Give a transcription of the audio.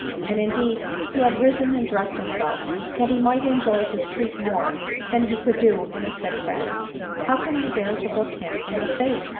And indeed he had risen and dressed himself, that he might enjoy bis treat more than he could do in a sick bed. " How can 1 bear to look him in the face